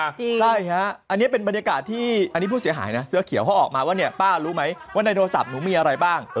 ใช่ฮะอันนี้เป็นบรรยากาศที่อันนี้ผู้เสียหายนะเสื้อเขียวเขาออกมาว่าเนี่ยป้ารู้ไหมว่าในโทรศัพท์หนูมีอะไรบ้าง